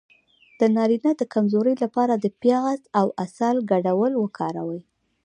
د نارینه د کمزوری لپاره د پیاز او عسل ګډول وکاروئ